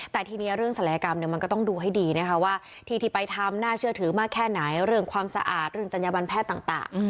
แต่ทีนี้เรื่องศัลยกรรมมันก็ต้องดูให้ดีนะคะว่าที่ที่ไปทำน่าเชื่อถือมากแค่ไหนเรื่องความสะอาดเรื่องจัญญบันแพทย์ต่าง